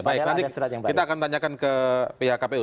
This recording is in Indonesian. baik nanti kita akan tanyakan ke pihak kpu